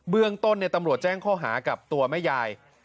เรื่องต้นตำรวจแจ้งข้อหากับตัวแม่ยาย